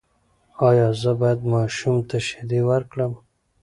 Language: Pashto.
ایا زه باید ماشوم ته شیدې ورکړم؟